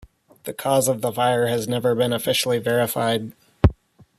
The cause of the fire has never been officially verified.